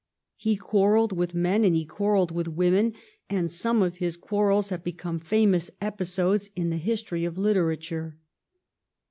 He quarrelled with men and he quarrelled with women, and some of his quarrels have become famous episodes in the history of literature.